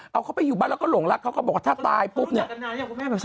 เอาเขาไปอยู่บ้านแล้วก็หลงรักเขาก็บอกว่าถ้าตายปุ๊บเนี้ยเขารู้จักกันหน่อยหรอคุณแม่